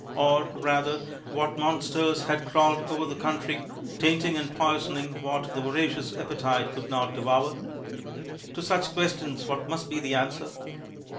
— or rather, what monsters had crawled over the country, INTRODUCTION tainting and poisoning what the voracious ap petite could not dev'our? To such questions, what must be the answer